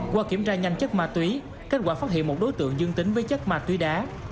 qua kiểm tra nhanh chất ma túy kết quả phát hiện một đối tượng dương tính với chất ma túy đá